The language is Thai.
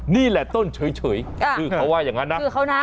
นี่แหละต้นเฉยคือเขาว่าอย่างนั้นนะ